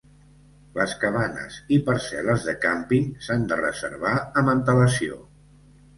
Les cabanes i parcel·les de càmping s'han de reservar amb antelació.